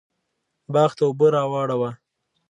باغ ته اوبه راواړوه